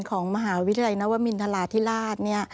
ของมหาวิทยาลัยนวมินทราธิราช